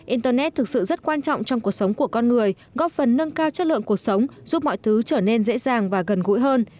internet thực sự rất quan trọng trong cuộc sống của con người góp phần nâng cao chất lượng cuộc sống giúp mọi thứ trở nên dễ dàng và gần gũi hơn